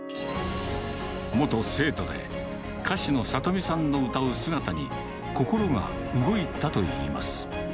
元生徒で、歌手のさとみさんの歌う姿に、心が動いたといいます。